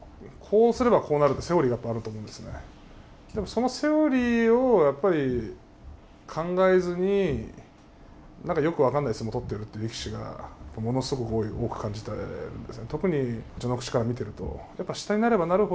そのセオリーをやっぱり考えずに何かよく分かんない相撲取ってるという力士がものすごく多く感じてるんですね。